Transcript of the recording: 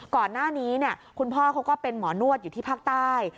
ก่อนหน้านี้คุณพ่อเขาก็เป็นหมอนวดอยู่ที่ภาคใต้